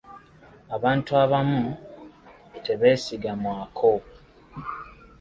Abantu abamu tebeesigamwako.